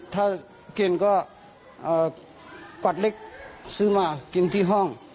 ถ้ากินก็กวัดเล็กซื้อมากินที่ห้อง